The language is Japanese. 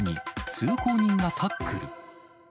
通行人がタックル。